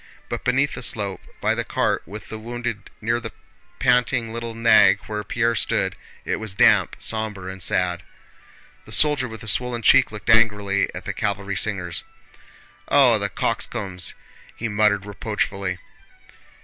But beneath the slope, by the cart with the wounded near the panting little nag where Pierre stood, it was damp, somber, and sad. The soldier with the swollen cheek looked angrily at the cavalry singers. "Oh, the coxcombs!" he muttered reproachfully.